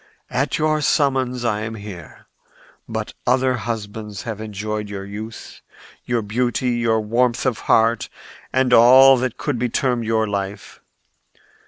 At your summons I am here. But other husbands have enjoyed your youth, your beauty, your warmth of heart and all that could be termed your life.